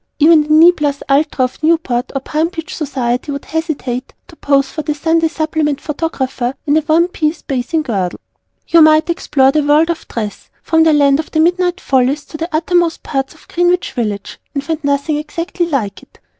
Even the "Knee plus ultra" of Newport or Palm Beach Society would hesitate to pose for the Sunday Supplement Photographer in a one piece Bathing Girdle. You might explore the World of Dress, from the Land of the Midnight Follies to the Uttermost parts of Greenwich Village and find nothing exactly like it.